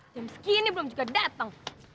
jam segini belum juga dateng